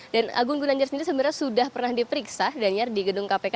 dan agung gunanjar sendiri sebenarnya sudah pernah diperiksa dan ya di gedung kpk